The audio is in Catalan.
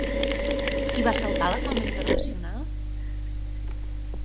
Qui va saltar a la fama internacional?